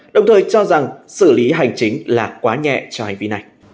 đồng thời cho rằng xử lý hành chính là quá nhẹ cho hành vi này